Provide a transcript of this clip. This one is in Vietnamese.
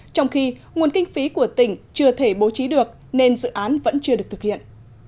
trong khi nguồn kinh phí của tỉnh chưa thể bố trí được nên dự án vẫn chưa được thực hiện